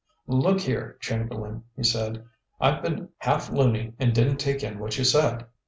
"Look here, Chamberlain," he said, "I've been half loony and didn't take in what you said.